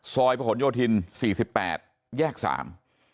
ซอยพระขนโยธินสี่สิบแปดแยกสาม